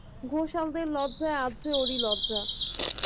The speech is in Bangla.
ঘোষালদের লজ্জায় আজ যে ওরই লজ্জা।